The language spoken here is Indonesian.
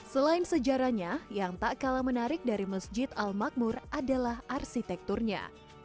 selain sejarahnya yang tak kalah menarik dari masjid al makmur adalah arsitekturnya